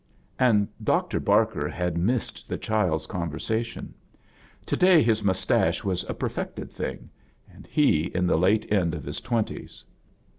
And Doctor Bar ker had missed the child's conversation. To day his mustache was a perfected thing, and he in the late end of his twenties.